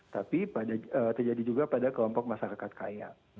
tapi terjadi juga pada kelompok masyarakat kaya